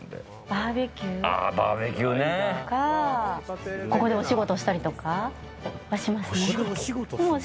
バーベキューとか、ここでお仕事したりとかはしますね。